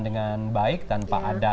dengan baik tanpa ada